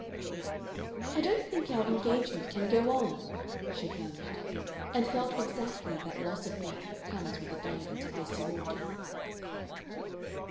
"I don't think our engagement can go on," she plunged, and felt exactly that loss of breath that comes with a dive into icy water.